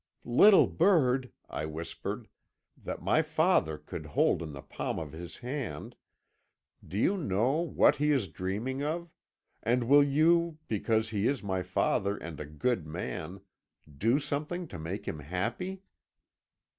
"Little bird," I whispered, "that my father could hold in the palm of his hand, do you know what he is dreaming of, and will you, because he is my father and a good man, do something to make him happy?"